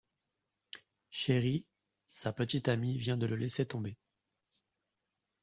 Sherry, sa petite amie vient de le laisser tomber.